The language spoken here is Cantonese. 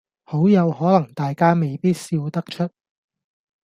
好有可能大家未必笑得出